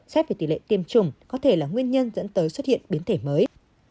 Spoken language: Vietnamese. xét về tỷ lệ tiêm chủng có thể là nguyên nhân dẫn tới xuất hiện biến thể mới